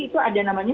itu ada namanya